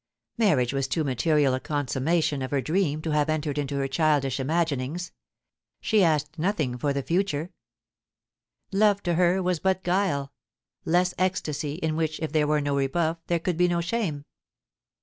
Marriage was too material a consummation of her dream to have entered into her childish imaginings. She asked nothing for the future Love to her was but guile less ecstasy, in which, if there were no rebuff, there could be no shame.